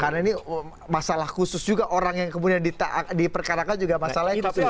karena ini masalah khusus juga orang yang kemudian diperkarakan juga masalah khusus juga